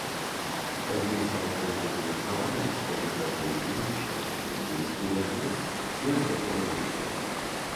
Пазней стала прынятым меркаванне, што гэта быў іншы, але блізкі летапіс, лёс якога невядомы.